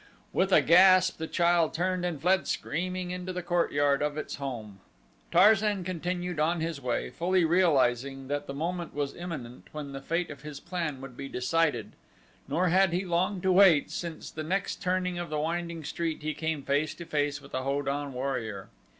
With a gasp the child turned and fled screaming into the courtyard of its home. Tarzan continued on his way, fully realizing that the moment was imminent when the fate of his plan would be decided. Nor had he long to wait since at the next turning of the winding street he came face to face with a Ho don warrior.